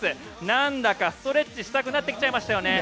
なんだかストレッチしたくなってきちゃいましたよね。